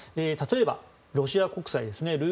例えば、ロシア国債ですね。